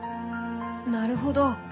なるほど。